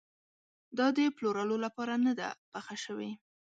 دا د پلورلو لپاره نه ده پخه شوې.